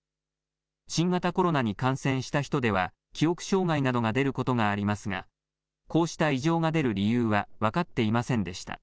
新型コロナに感染した人では、記憶障害などが出ることがありますが、こうした異常が出る理由は分かっていませんでした。